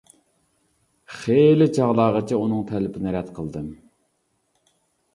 خېلى چاغلارغىچە ئۇنىڭ تەلىپىنى رەت قىلدىم.